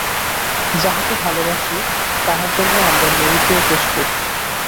যাহাকে ভালবাসি, তাহার জন্য আমরা মরিতেও প্রস্তুত।